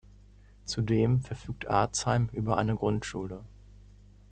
Zudem verfügt Arzheim über eine Grundschule.